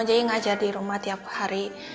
jadi ngajar di rumah tiap hari